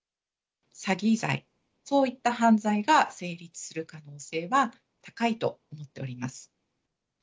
詐欺罪、そういった犯罪が成立する可能性は高いと思っております。